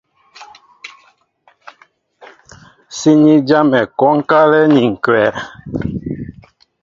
Síní jámɛ kwónkálɛ́ ni ǹkwɛ̌.